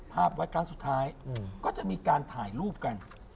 ภาพไว้ครั้งสุดท้ายก็จะมีการถ่ายรูปกัน